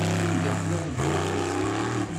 Anda tella tewwurt?